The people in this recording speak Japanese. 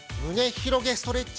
広げストレッチ。